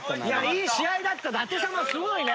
いい試合だったダテ様すごいね。